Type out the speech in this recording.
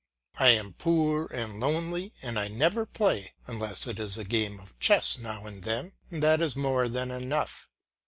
I am poor and lonely and I never play, unless it is a game of chess now and then, and that is more than enough.